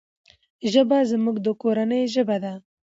ژبه زموږ د کورنی ژبه ده.